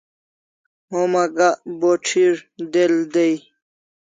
Homa Gak bo ch'ir del day